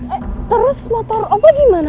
eh terus motor ombak gimana